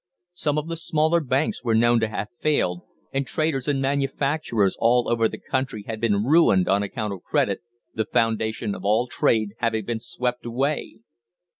Some of the smaller banks were known to have failed, and traders and manufacturers all over the country had been ruined on account of credit, the foundation of all trade, having been swept away.